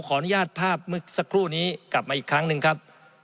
ขออนุญาตภาพเมื่อสักครู่นี้กลับมาอีกครั้งหนึ่งครับ